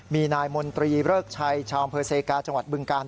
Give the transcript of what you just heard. มีนายมนตรีเริกชัยชาวอำเภอเซกาจังหวัดบึงกาล